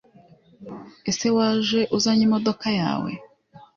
Ese waje uzanye imodoka yawe